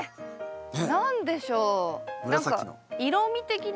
何でしょう？